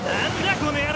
この野郎！